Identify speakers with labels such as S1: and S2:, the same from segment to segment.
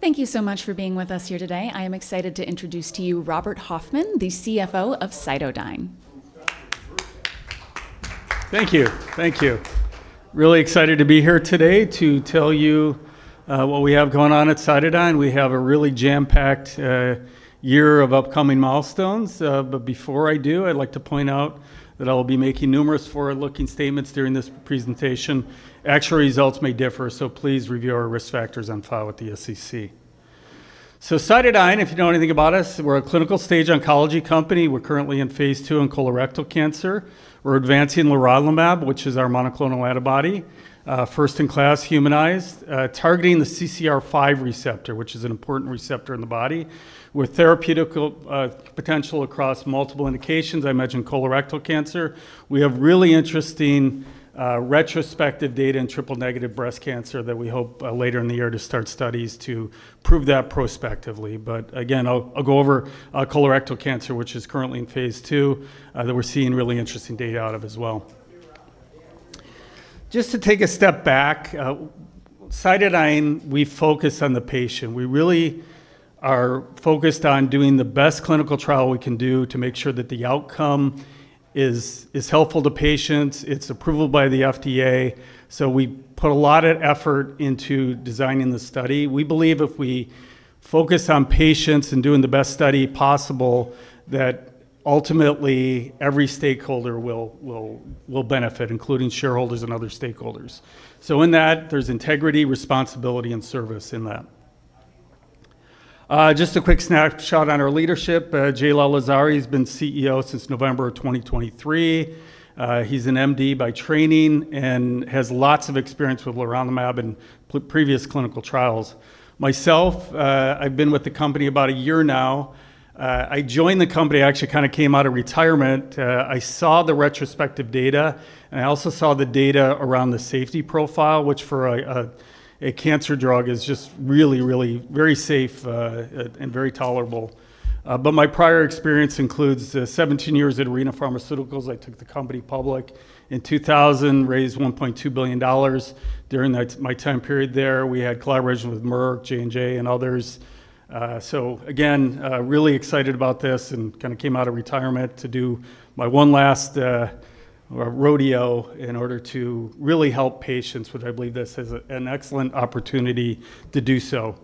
S1: Thank you so much for being with us here today. I am excited to introduce to you Robert Hoffman, the CFO of CytoDyn.
S2: Thank you. Thank you. Really excited to be here today to tell you what we have going on at CytoDyn. We have a really jam-packed year of upcoming milestones. Before I do, I'd like to point out that I will be making numerous forward-looking statements during this presentation. Actual results may differ. Please review our risk factors on file with the SEC. CytoDyn, if you know anything about us, we're a clinical-stage oncology company. We're currently in phase II in colorectal cancer. We're advancing leronlimab, which is our monoclonal antibody, first-in-class humanized, targeting the CCR5 receptor, which is an important receptor in the body, with therapeutical potential across multiple indications. I mentioned colorectal cancer. We have really interesting retrospective data in triple-negative breast cancer that we hope later in the year to start studies to prove that prospectively. Again, I'll go over colorectal cancer, which is currently in phase II, that we're seeing really interesting data out of as well. Just to take a step back, CytoDyn, we focus on the patient. We really are focused on doing the best clinical trial we can do to make sure that the outcome is helpful to patients, it's approval by the FDA. We put a lot of effort into designing the study. We believe if we focus on patients and doing the best study possible, that ultimately every stakeholder will benefit, including shareholders and other stakeholders. In that, there's integrity, responsibility, and service in that. Just a quick snapshot on our leadership. Jacob Lalezari has been CEO since November of 2023. He's an MD by training and has lots of experience with leronlimab and previous clinical trials. Myself, I've been with the company about a year now. I joined the company, actually kinda came out of retirement. I saw the retrospective data, and I also saw the data around the safety profile, which for a cancer drug is just very safe and very tolerable. My prior experience includes 17 years at Arena Pharmaceuticals. I took the company public in 2000, raised $1.2 billion during my time period there. We had collaboration with Merck, J&J, and others. Again, really excited about this and kinda came out of retirement to do my one last rodeo in order to really help patients, which I believe this is an excellent opportunity to do so.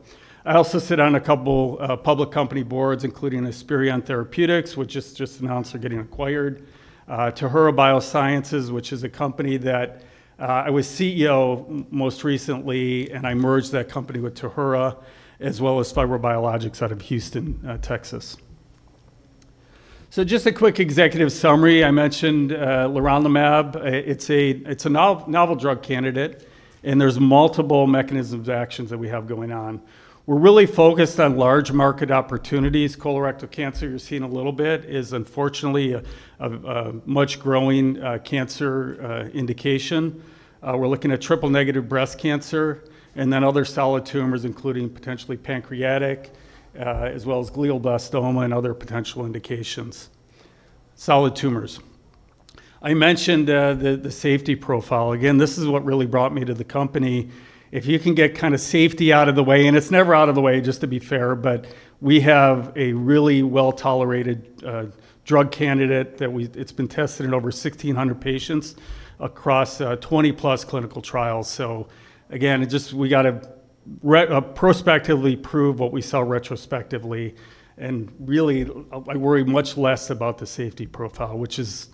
S2: I also sit on a couple public company boards, including Esperion Therapeutics, which has just announced they're getting acquired, TuHURA Biosciences, which is a company that I was CEO most recently, and I merged that company with TuHURA, as well as FibroBiologics out of Houston, Texas. Just a quick executive summary. I mentioned leronlimab. It's a novel drug candidate, and there's multiple mechanisms of action that we have going on. We're really focused on large market opportunities. Colorectal cancer, you're seeing a little bit, is unfortunately a much growing cancer indication. We're looking at triple-negative breast cancer and then other solid tumors, including potentially pancreatic, as well as glioblastoma and other potential indications. Solid tumors. I mentioned the safety profile. Again, this is what really brought me to the company. If you can get kinda safety out of the way, and it's never out of the way, just to be fair, but we have a really well-tolerated drug candidate that it's been tested in over 1,600 patients across 20+ clinical trials. Again, prospectively prove what we saw retrospectively. Really, I worry much less about the safety profile, which is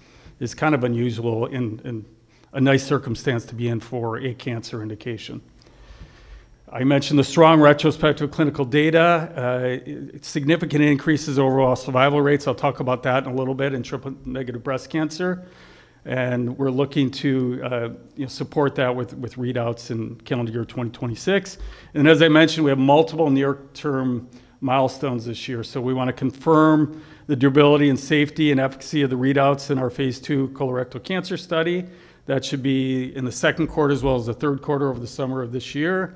S2: kind of unusual and a nice circumstance to be in for a cancer indication. I mentioned the strong retrospective clinical data. It significantly increases overall survival rates. I'll talk about that in a little bit in triple-negative breast cancer. We're looking to, you know, support that with readouts in calendar year 2026. As I mentioned, we have multiple near-term milestones this year. We wanna confirm the durability and safety and efficacy of the readouts in our phase II colorectal cancer study. That should be in the second quarter as well as the third quarter over the summer of this year.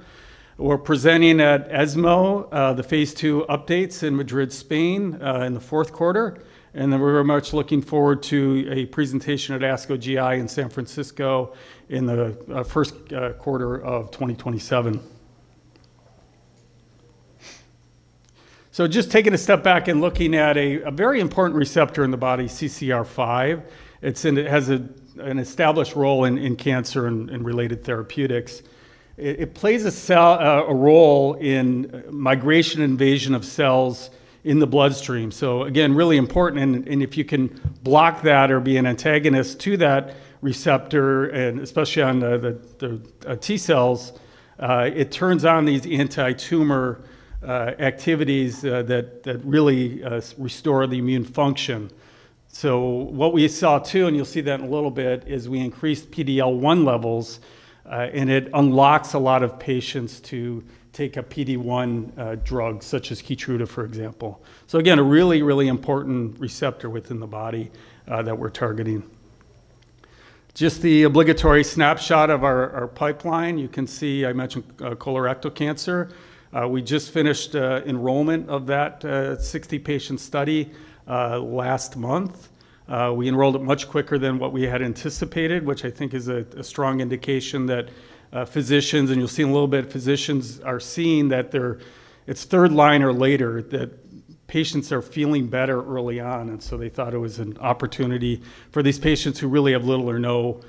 S2: We're presenting at ESMO, the phase II updates in Madrid, Spain, in the fourth quarter. We're very much looking forward to a presentation at ASCO GI in San Francisco in the first quarter of 2027. Just taking a step back and looking at a very important receptor in the body, CCR5. It has an established role in cancer and related therapeutics. It plays a role in migration invasion of cells in the bloodstream. Again, really important and if you can block that or be an antagonist to that receptor, and especially on the T cells, it turns on these anti-tumor activities that really restore the immune function. What we saw too, and you'll see that in a little bit, is we increased PD-L1 levels and it unlocks a lot of patients to take a PD-1 drug, such as KEYTRUDA, for example. Again, a really important receptor within the body that we're targeting. Just the obligatory snapshot of our pipeline. You can see I mentioned colorectal cancer. We just finished enrollment of that 60-patient study last month. We enrolled it much quicker than what we had anticipated, which I think is a strong indication that physicians, and you'll see in a little bit, physicians are seeing that it's third line or later that patients are feeling better early on, and so they thought it was an opportunity for these patients who really have little or no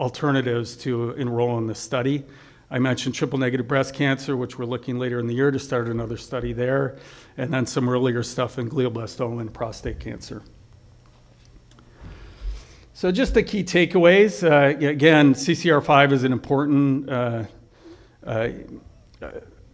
S2: alternatives to enroll in this study. I mentioned triple-negative breast cancer, which we're looking later in the year to start another study there, and then some earlier stuff in glioblastoma and prostate cancer. Just the key takeaways. Yeah, again, CCR5 is an important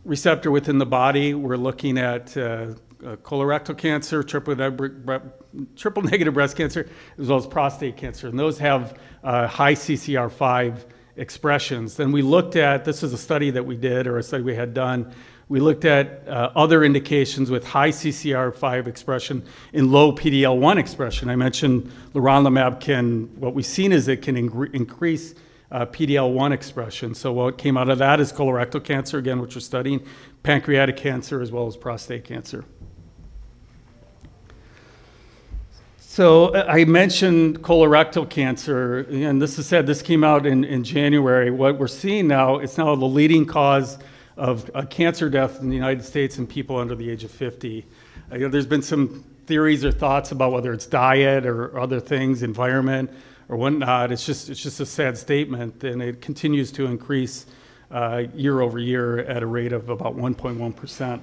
S2: receptor within the body. We're looking at colorectal cancer, triple-negative breast cancer, as well as prostate cancer, and those have high CCR5 expressions. This is a study that we did or a study we had done. We looked at other indications with high CCR5 expression and low PD-L1 expression. I mentioned leronlimab can What we've seen is it can increase PD-L1 expression. What came out of that is colorectal cancer, again, which we're studying, pancreatic cancer, as well as prostate cancer. I mentioned colorectal cancer, and this is sad. This came out in January. What we're seeing now, it's now the leading cause of a cancer death in the U.S. in people under the age of 50. You know, there's been some theories or thoughts about whether it's diet or other things, environment or whatnot. It's just a sad statement, and it continues to increase year-over-year at a rate of about 1.1%.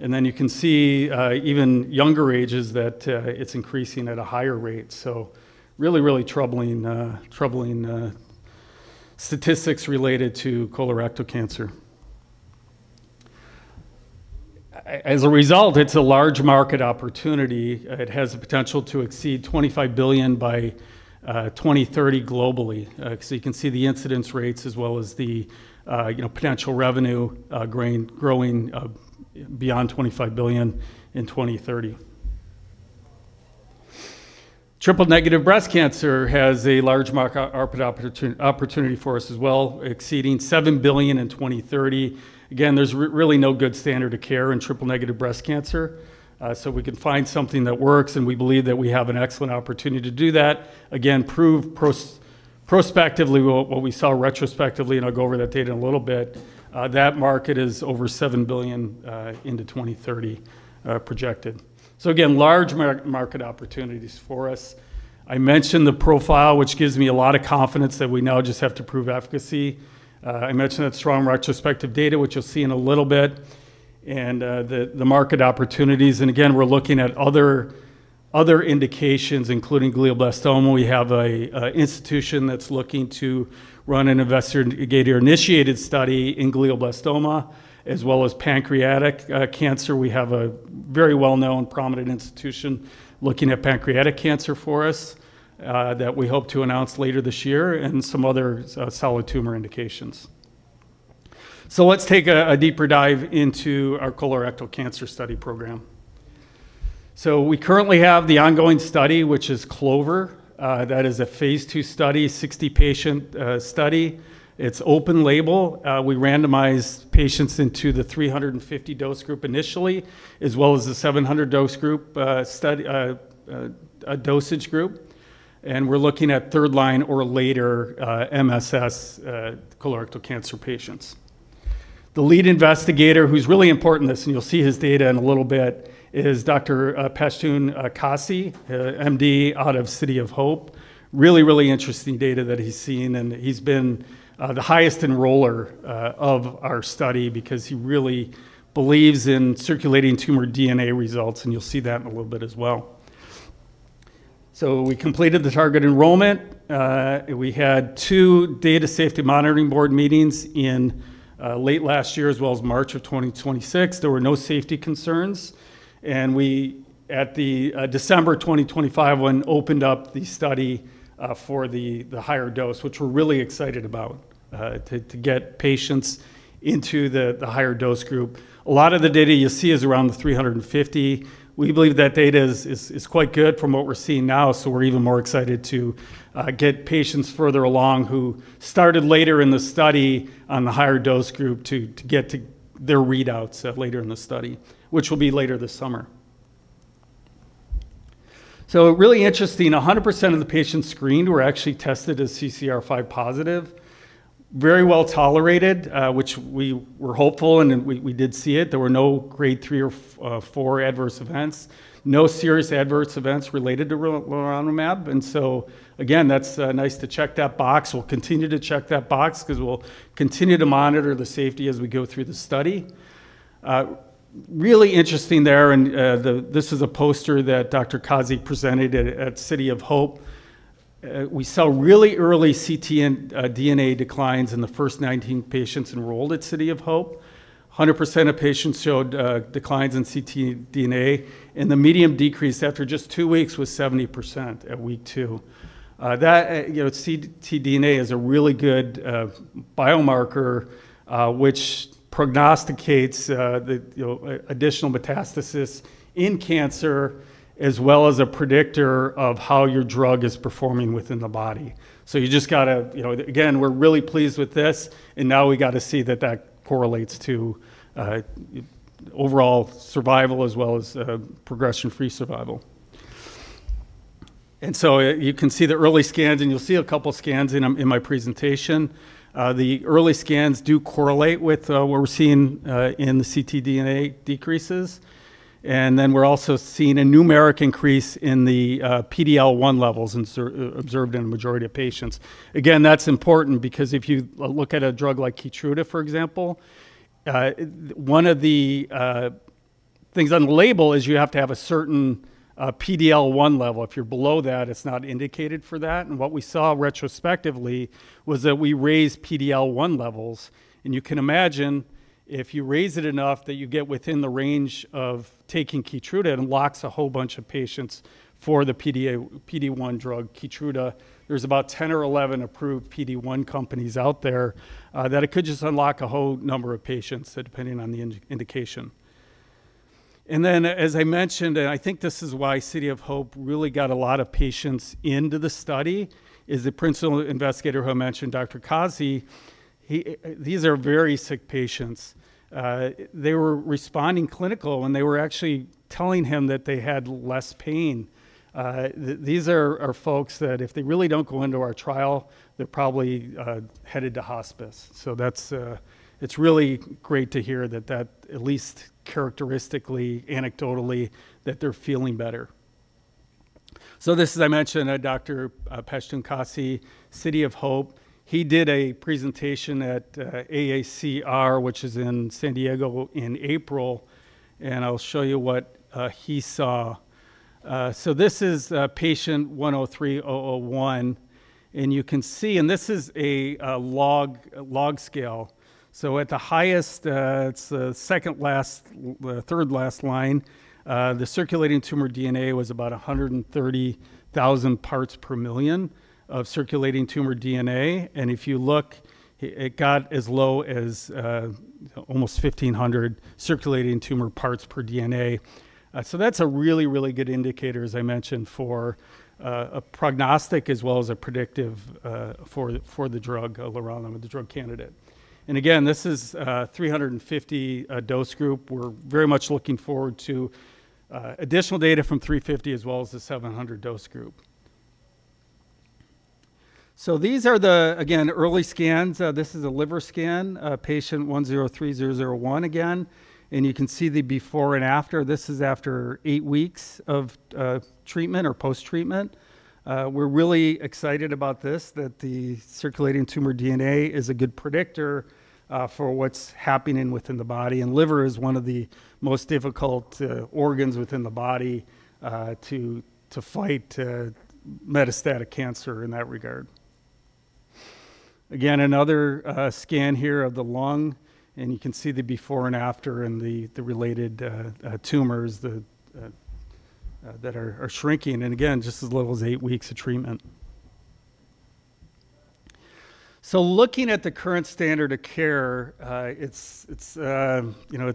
S2: You can see, even younger ages that, it's increasing at a higher rate, so really troubling statistics related to colorectal cancer. As a result, it's a large market opportunity. It has the potential to exceed $25 billion by 2030 globally. So you can see the incidence rates as well as the, you know, potential revenue gain growing beyond $25 billion in 2030. Triple-negative breast cancer has a large market opportunity for us as well, exceeding $7 billion in 2030. There's really no good standard of care in triple-negative breast cancer, so we can find something that works, and we believe that we have an excellent opportunity to do that. Prove prospectively what we saw retrospectively, and I'll go over that data in a little bit. That market is over $7 billion into 2030 projected. Large market opportunities for us. I mentioned the profile, which gives me a lot of confidence that we now just have to prove efficacy. I mentioned that strong retrospective data, which you'll see in a little bit, and the market opportunities. We're looking at other indications, including glioblastoma. We have a institution that's looking to run an investigator-initiated study in glioblastoma as well as pancreatic cancer. We have a very well-known prominent institution looking at pancreatic cancer for us, that we hope to announce later this year and some other solid tumor indications. Let's take a deeper dive into our colorectal cancer study program. We currently have the ongoing study, which is CLOVER. That is a phase II study, 60-patient study. It's open label. We randomized patients into the 350 dose group initially as well as the 700 dose group, dosage group. We're looking at third line or later, MSS, colorectal cancer patients. The lead investigator, who's really important in this, and you'll see his data in a little bit, is Dr. Pashtoon Kasi, MD out of City of Hope. Really, really interesting data that he's seen, and he's been the highest enroller of our study because he really believes in circulating tumor DNA results, and you'll see that in a little bit as well. We completed the target enrollment. We had two data safety monitoring board meetings in late last year as well as March of 2026. There were no safety concerns. We, at the December 2025 one, opened up the study for the higher dose, which we're really excited about to get patients into the higher dose group. A lot of the data you see is around the 350. We believe that data is quite good from what we're seeing now, so we're even more excited to get patients further along who started later in the study on the higher dose group to get to their readouts at later in the study, which will be later this summer. Really interesting. 100% of the patients screened were actually tested as CCR5 positive. Very well-tolerated, which we were hopeful, and then we did see it. There were no Grade 3 or 4 adverse events, no serious adverse events related to leronlimab. Again, that's nice to check that box. We'll continue to check that box because we'll continue to monitor the safety as we go through the study. Really interesting there and this is a poster that Dr. Kasi presented at City of Hope. We saw really early ctDNA declines in the first 19 patients enrolled at City of Hope. 100% of patients showed declines in ctDNA, the median decrease after just two weeks was 70% at week two. That, you know, ctDNA is a really good biomarker, which prognosticates the, you know, additional metastasis in cancer as well as a predictor of how your drug is performing within the body. You just gotta, you know Again, we're really pleased with this, now we gotta see that that correlates to overall survival as well as progression-free survival. You can see the early scans, you'll see two scans in my presentation. The early scans do correlate with what we're seeing in the ctDNA decreases. We're also seeing a numeric increase in the PD-L1 levels observed in a majority of patients. Again, that's important because if you look at a drug like KEYTRUDA, for example, one of the things on the label is you have to have a certain PD-L1 level. If you're below that, it's not indicated for that. What we saw retrospectively was that we raised PD-L1 levels, and you can imagine if you raise it enough that you get within the range of taking KEYTRUDA, it unlocks a whole bunch of patients for the PD-1 drug, KEYTRUDA. There's about 10 or 11 approved PD-1 companies out there that it could just unlock a whole number of patients, depending on the indication. As I mentioned, and I think this is why City of Hope really got a lot of patients into the study, is the principal investigator who I mentioned, Dr. Kasi, these are very sick patients. They were responding clinically, and they were actually telling him that they had less pain. These are folks that if they really don't go into our trial, they're probably headed to hospice. That's, it's really great to hear that at least characteristically, anecdotally, that they're feeling better. This, as I mentioned, Dr. Pashtoon Kasi, City of Hope, he did a presentation at AACR, which is in San Diego in April, and I'll show you what he saw. This is patient 103001, and you can see, this is a log scale. At the highest, it's the second last, third last line, the circulating tumor DNA was about 130,000 parts per million of circulating tumor DNA. If you look, it got as low as almost 1,500 circulating tumor parts per DNA. That's a really good indicator, as I mentioned, for a prognostic as well as a predictive for the drug leronlimab, the drug candidate. Again, this is a 350 dose group. We're very much looking forward to additional data from 350 as well as the 700 dose group. These are the, again, early scans. This is a liver scan, patient 103001 again, and you can see the before and after. This is after eight weeks of treatment or post-treatment. We're really excited about this, that the ctDNA is a good predictor for what's happening within the body, liver is one of the most difficult organs within the body to fight metastatic cancer in that regard. Again, another scan here of the lung, you can see the before and after and the related tumors that are shrinking, again, just as little as 8 weeks of treatment. Looking at the current standard of care, it's, you know,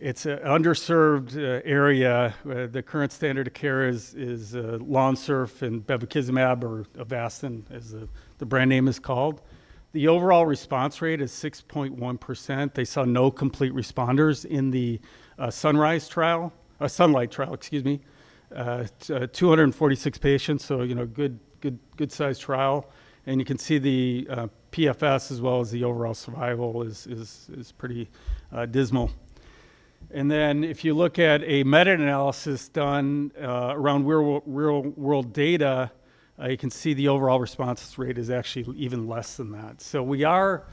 S2: an underserved area. The current standard of care is LONSURF and bevacizumab or Avastin, as the brand name is called. The overall response rate is 6.1%. They saw no complete responders in the SUNLIGHT trial, excuse me. 246 patients, you know, good-sized trial. You can see the PFS as well as the overall survival is pretty dismal. If you look at a meta-analysis done around real-world data, you can see the overall response rate is actually even less than that. We are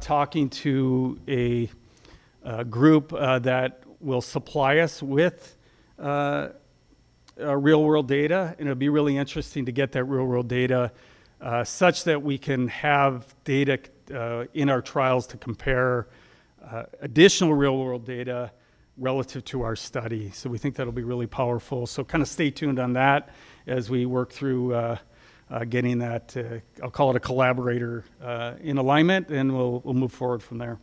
S2: talking to a group that will supply us with real-world data, and it'll be really interesting to get that real-world data such that we can have data in our trials to compare additional real-world data relative to our study. We think that'll be really powerful. Kind of stay tuned on that as we work through getting that, I'll call it a collaborator, in alignment, and we'll move forward from there.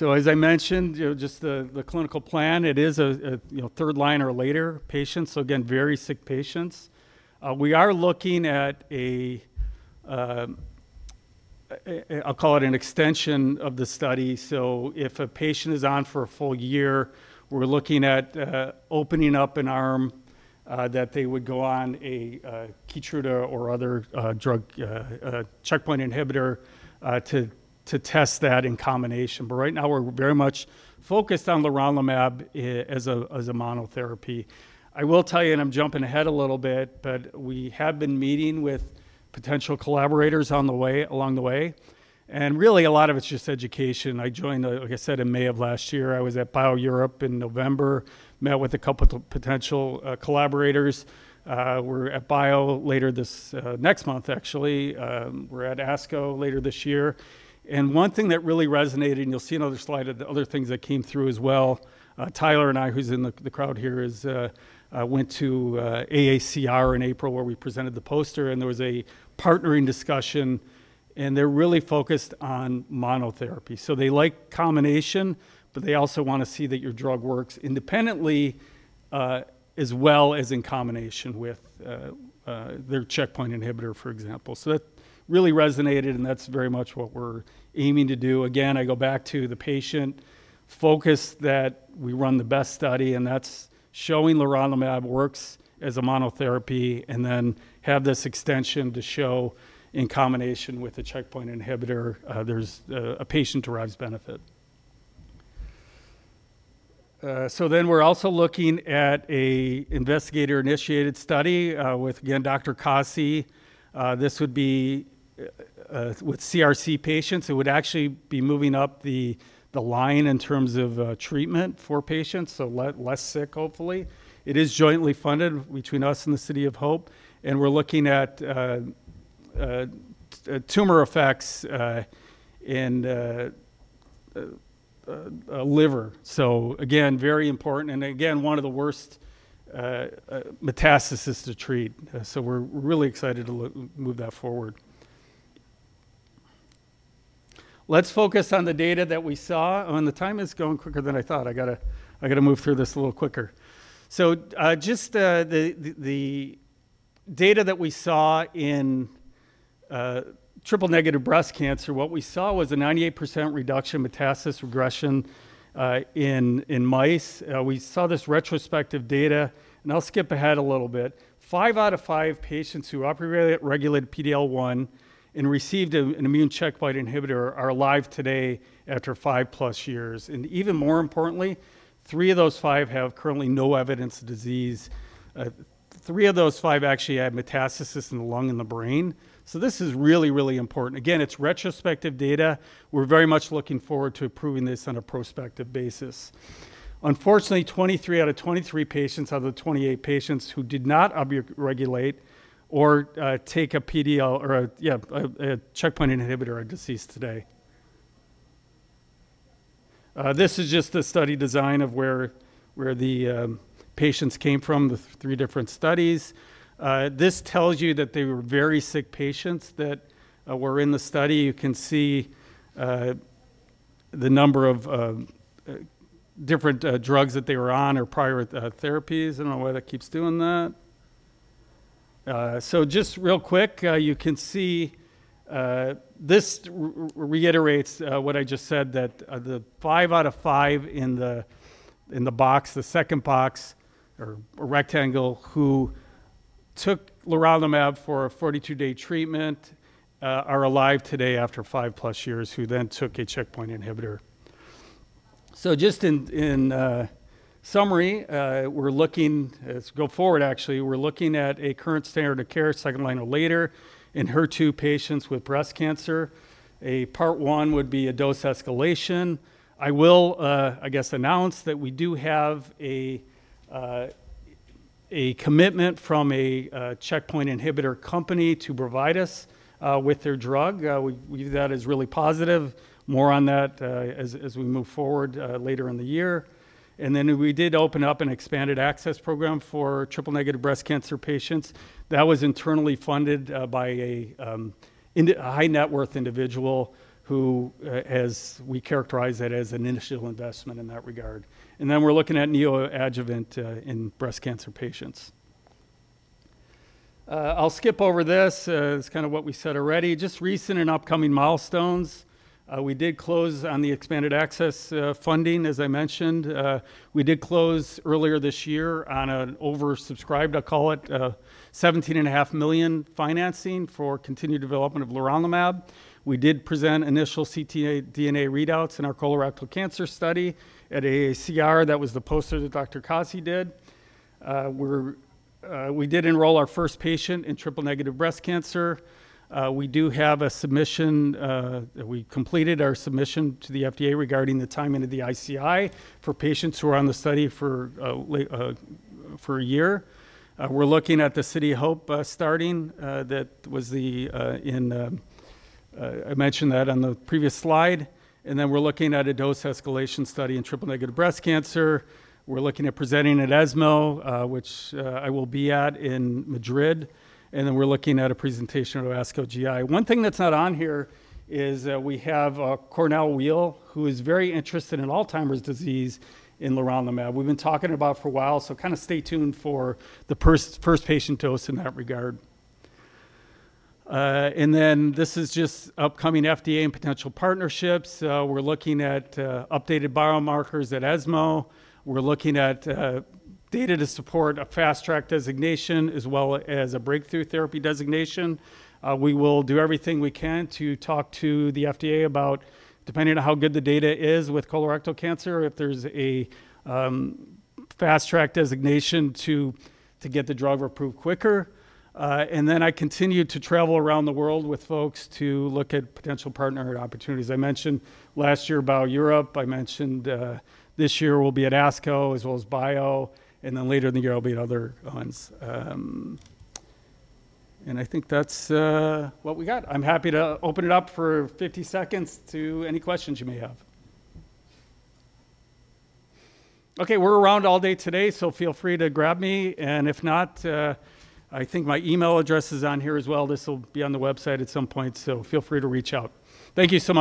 S2: As I mentioned, you know, just the clinical plan, it is a third line or later patients, so again, very sick patients. We are looking at, I'll call it an extension of the study. If a patient is on for a full year, we're looking at opening up an arm that they would go on a KEYTRUDA or other drug checkpoint inhibitor to test that in combination. Right now, we're very much focused on leronlimab as a monotherapy. I will tell you, I'm jumping ahead a little bit, but we have been meeting with potential collaborators along the way, and really a lot of it's just education. I joined, like I said, in May of last year. I was at BIO-Europe in November, met with a couple potential collaborators. We're at BIO later this next month, actually. We're at ASCO later this year. One thing that really resonated, and you'll see another slide of the other things that came through as well, Tyler and I, who's in the crowd here, went to AACR in April, where we presented the poster, and there was a partnering discussion, and they're really focused on monotherapy. They like combination, but they also wanna see that your drug works independently, as well as in combination with their checkpoint inhibitor, for example. That really resonated, and that's very much what we're aiming to do. Again, I go back to the patient focus that we run the best study, and that's showing leronlimab works as a monotherapy, and then have this extension to show in combination with a checkpoint inhibitor, there's a patient derives benefit. Then we're also looking at a investigator-initiated study, with again, Dr. Kasi. This would be with CRC patients. It would actually be moving up the line in terms of treatment for patients, so less sick, hopefully. It is jointly funded between us and City of Hope, and we're looking at tumor effects in liver. Again, very important, and again, one of the worst metastasis to treat. We're really excited to move that forward. Let's focus on the data that we saw. The time is going quicker than I thought. I gotta move through this a little quicker. Just the data that we saw in triple-negative breast cancer, what we saw was a 98% reduction metastasis regression in mice. We saw this retrospective data, I'll skip ahead a little bit. Five out of five patients who upregulated PD-L1 and received an immune checkpoint inhibitor are alive today after 5+ years. Even more importantly, three of those five have currently no evidence of disease. Three of those five actually had metastasis in the lung and the brain. This is really, really important. Again, it's retrospective data. We're very much looking forward to proving this on a prospective basis. Unfortunately, 23 out of 23 patients out of the 28 patients who did not upregulate or take a PD-L1 or a checkpoint inhibitor are deceased today. This is just a study design of where the patients came from, the three different studies. This tells you that they were very sick patients that were in the study. You can see the number of different drugs that they were on or prior therapies. I don't know why that keeps doing that. Just real quick, you can see, this reiterates what I just said that the five out of five in the, in the box, the second box or rectangle who took leronlimab for a 42-day treatment, are alive today after 5+ years who then took a checkpoint inhibitor. Just in summary, we're looking, let's go forward, actually. We're looking at a current standard of care, second-line or later in HER2 patients with breast cancer. Part 1 would be a dose escalation. I will, I guess, announce that we do have a commitment from a checkpoint inhibitor company to provide us with their drug. We view that as really positive. More on that, as we move forward, later in the year. We did open up an Expanded Access Program for triple-negative breast cancer patients. That was internally funded by a high net worth individual who, as we characterize it, as an initial investment in that regard. We're looking at neoadjuvant in breast cancer patients. I'll skip over this. It's kind of what we said already. Just recent and upcoming milestones. We did close on the Expanded Access funding, as I mentioned. We did close earlier this year on an oversubscribed, I'll call it, $17.5 million financing for continued development of leronlimab. We did present initial ctDNA readouts in our colorectal cancer study at AACR. That was the poster that Dr. Kasi did. We did enroll our first patient in triple-negative breast cancer. We do have a submission, we completed our submission to the FDA regarding the timing of the ICI for patients who are on the study for a year. We're looking at the City of Hope starting, that was the, in, I mentioned that on the previous slide. We're looking at a dose escalation study in triple-negative breast cancer. We're looking at presenting at ESMO, which I will be at in Madrid. We're looking at a presentation at ASCO GI. One thing that's not on here is, we have Weill Cornell Medicine, who is very interested in Alzheimer's disease in leronlimab. We've been talking about it for a while, so kinda stay tuned for the first patient dose in that regard. Then this is just upcoming FDA and potential partnerships. We're looking at updated biomarkers at ESMO. We're looking at data to support a Fast Track designation as well as a Breakthrough Therapy designation. We will do everything we can to talk to the FDA about, depending on how good the data is with colorectal cancer, if there's a Fast Track designation to get the drug approved quicker. Then I continue to travel around the world with folks to look at potential partner opportunities. I mentioned last year, BIO-Europe. I mentioned this year we'll be at ASCO as well as BIO, later in the year, I'll be at other ones. I think that's what we got. I'm happy to open it up for 50 seconds to any questions you may have. Okay, we're around all day today, so feel free to grab me. If not, I think my email address is on here as well. This will be on the website at some point, so feel free to reach out. Thank you so much.